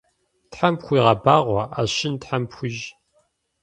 Тхьэм пхуигъэбагъуэ, ӏэщын тхьэм пхуищӏ.